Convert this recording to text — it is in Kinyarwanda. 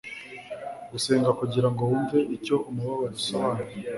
gusenga kugirango wumve icyo umubabaro usobanura